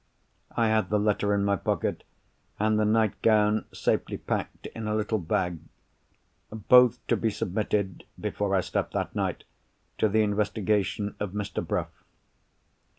I had the letter in my pocket, and the nightgown safely packed in a little bag—both to be submitted, before I slept that night, to the investigation of Mr. Bruff.